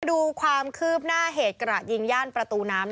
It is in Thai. ดูความคืบหน้าเหตุกระยิงย่านประตูน้ำ